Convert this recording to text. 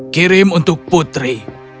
kirim untuk putri